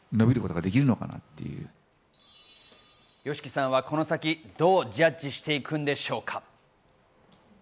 ＹＯＳＨＩＫＩさんはこの先、どうジャッジしていくんでしょうか。